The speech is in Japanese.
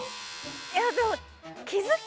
いやでも。